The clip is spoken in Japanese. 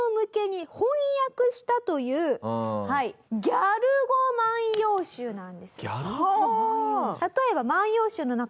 ギャル語万葉集なんですよ。